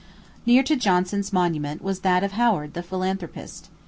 Near to Johnson's monument was that of Howard the philanthropist.